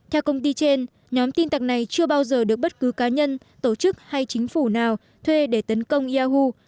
theo công ty trên nhóm tin tặc này chưa bao giờ được bất cứ cá nhân tổ chức hay chính phủ nào thuê để tấn công yahu